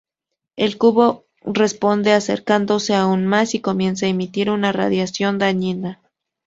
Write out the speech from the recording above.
El cubo responde acercándose aún más y comienza a emitir una radiación dañina.